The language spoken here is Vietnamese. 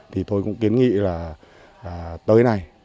thì tôi cũng kiến nghị là tới nay